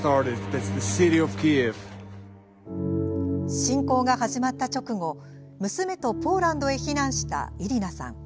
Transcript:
侵攻が始まった直後、娘とポーランドへ避難したイリナさん。